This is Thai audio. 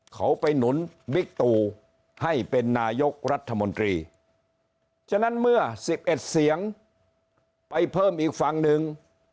เขาไปหนุนบิ๊กตูให้เป็นนายกรัฐมนตรีฉะนั้นเมื่อ๑๑เสียงไปเพิ่มอีกฝั่งหนึ่ง